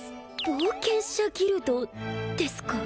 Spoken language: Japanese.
冒険者ギルドですか？